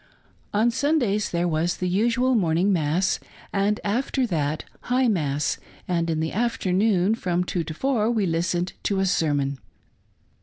On Sundays there was the usua:l morning mass, and after that high mass ; and in the afternoon, from two to four, we listened to a sermon.